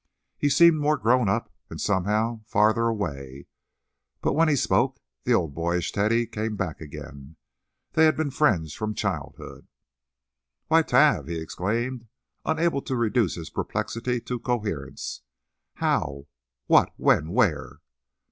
He seemed more grown up, and, somehow, farther away. But, when he spoke, the old, boyish Teddy came back again. They had been friends from childhood. "Why, 'Tave!" he exclaimed, unable to reduce his perplexity to coherence. "How—what—when—where?"